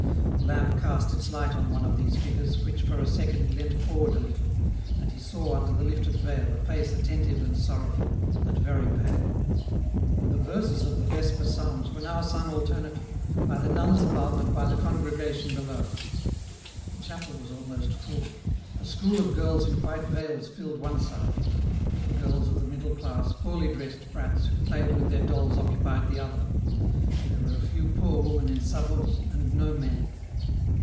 A lamp cast its light on one of these figures, which for a second leant forward a little, and he saw under the lifted veil a face attentive and sorrowful, and very pale. 48 EN ROUTE. The verses of the vesper psalms were now sung alter nately, by the nuns above and by the congregation below. The chapel was almost full ; a school of girls in white veils filled one side ; little girls of the middle class, poorly dressed brats who pla3'ed with their dolls occupied the other. There were a few poor women in sabots^ and no men.